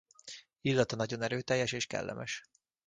Illata nagyon erőteljes és kellemes.